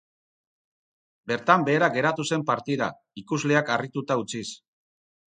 Bertan behera geratu zen partida, ikusleak harrituta utziz.